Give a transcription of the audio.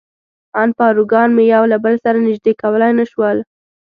ان پاروګان مې یو له بل سره نژدې کولای نه شول.